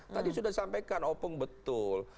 tadi sudah disampaikan opung betul